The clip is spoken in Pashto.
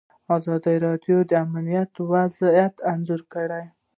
ازادي راډیو د امنیت وضعیت انځور کړی.